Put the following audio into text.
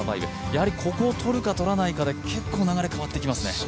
やはりここを取るかとらないかで結構流れが変わってきますね。